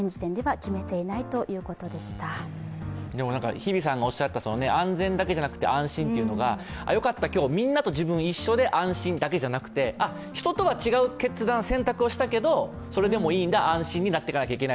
日比さんがおっしゃった安全だけでなく安心というのが安心というのが、よかった今日、みんなと自分一緒で安心だけじゃなくて、人とは違う決断、選択をしたんだけど、それでも安心とならないといけない。